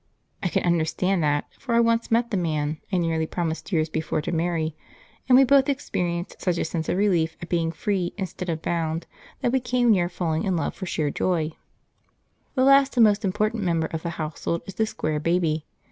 (I can understand that, for I once met the man I nearly promised years before to marry, and we both experienced such a sense of relief at being free instead of bound that we came near falling in love for sheer joy.) {Picture of toy on wheels: p14.jpg} The last and most important member of the household is the Square Baby.